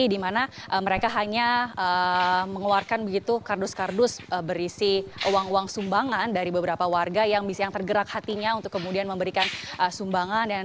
di mana mereka hanya mengeluarkan begitu kardus kardus berisi uang uang sumbangan dari beberapa warga yang tergerak hatinya untuk kemudian memberikan sumbangan